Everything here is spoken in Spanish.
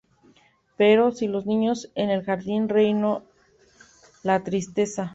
Pero, sin los niños en el jardín reinó la tristeza.